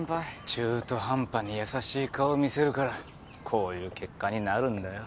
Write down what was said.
中途半端に優しい顔を見せるからこういう結果になるんだよ。